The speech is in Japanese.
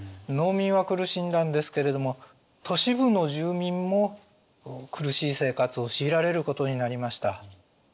農民は苦しんだんですけれども都市部の住民も苦しい生活を強いられることになりました。